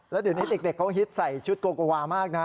แล้วเดี๋ยวนี้เด็กเขาฮิตใส่ชุดโกโกวามากนะ